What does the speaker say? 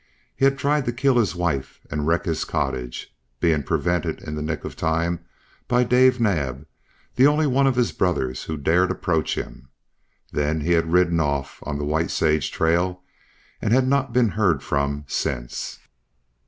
He had tried to kill his wife and wreck his cottage, being prevented in the nick of time by Dave Naab, the only one of his brothers who dared approach him. Then he had ridden off on the White Sage trail and had not been heard from since.